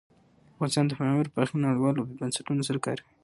افغانستان د پامیر په برخه کې نړیوالو بنسټونو سره کار کوي.